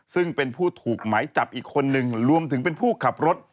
ซึ่งเป็นผู้ถูกไหมจับอีกคนนึงรวมถึงเป็นผู้ขับรถ